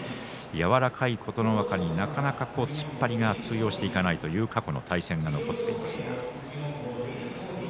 柔らかい琴ノ若になかなか突っ張りが通用していかないという過去の対戦が残っています。